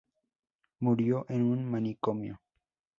Murió en un manicomio.